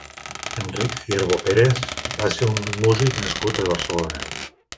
Enric Ciervo Pérez va ser un músic nascut a Barcelona.